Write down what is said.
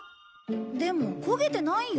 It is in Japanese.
でも焦げてないよ。